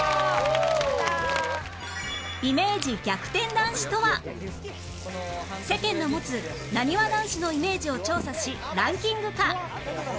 男子とは世間の持つなにわ男子のイメージを調査しランキング化